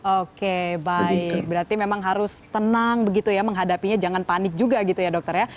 oke baik berarti memang harus tenang begitu ya menghadapinya jangan panik juga gitu ya dokter ya